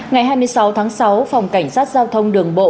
ngày hai mươi sáu tháng sáu phòng cảnh sát giao thông đường bộ